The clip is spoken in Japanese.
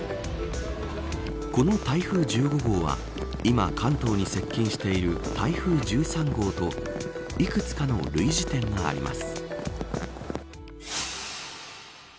この台風１５号は今、関東に接近している台風１３号といくつかの類似点があります。